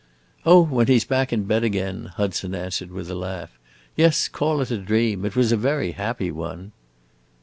"Oh, when he 's back in bed again!" Hudson answered with a laugh. "Yes, call it a dream. It was a very happy one!"